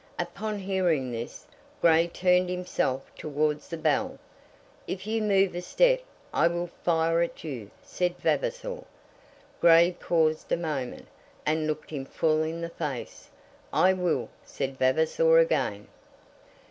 Upon hearing this, Grey turned himself towards the bell. "If you move a step, I will fire at you," said Vavasor. Grey paused a moment, and looked him full in the face. "I will," said Vavasor again.